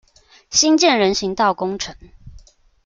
新建人行道工程